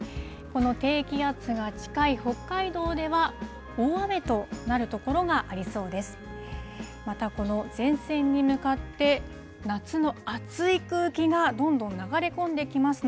この低気圧が近い北海道では、大雨となる所がありそうです。